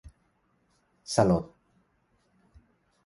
สลด